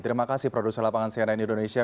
terima kasih produser lapangan cnn indonesia